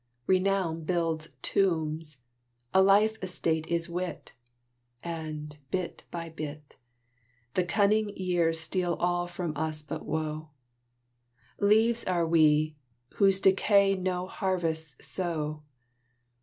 Renown builds tombs; a life estate is Wit; And, bit by bit, The cunning years steal all from us but woe; Leaves are we, whose decays no harvest sow.